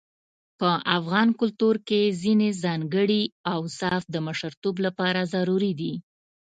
په افغان کلتور کې ځينې ځانګړي اوصاف د مشرتوب لپاره ضروري دي.